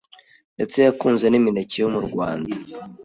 ndetse yakunze n’imineke yo mu Rwanda.